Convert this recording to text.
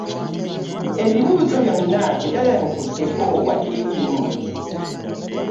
Ebibuuzo byonna teyayanukuddeko wadde ekimu.